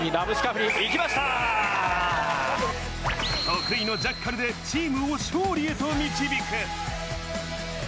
得意のジャッカルでチームを勝利へと導く！